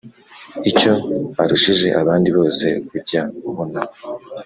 icyo arushije abandi bose ujya ubona